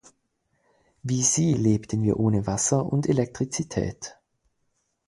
Wie sie lebten wir ohne Wasser und Elektrizität.